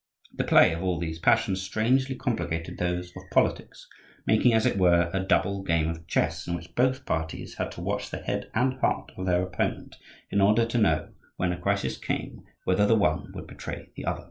The play of all these passions strangely complicated those of politics,—making, as it were, a double game of chess, in which both parties had to watch the head and heart of their opponent, in order to know, when a crisis came, whether the one would betray the other.